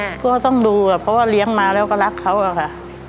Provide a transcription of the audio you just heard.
ก็ต้องดูอ่ะเพราะว่าเลี้ยงมาแล้วก็รักเขาอะค่ะ